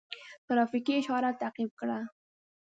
ترافیکي اشاره تعقیب کړه.